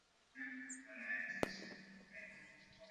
ubaguzi wa matangazo siyo mzuri katika biashara